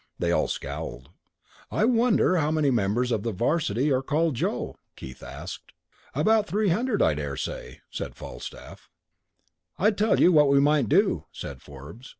They all scowled. "I wonder how many members of the 'varsity are called Joe?" Keith asked. "About three hundred, I dare say," said Falstaff. "I tell you what we might do," said Forbes.